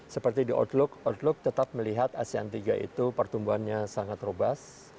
seperti di outlook outlook tetap melihat asean tiga itu pertumbuhannya sangat robas